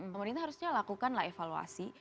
pemerintah harusnya lakukan lah evaluasi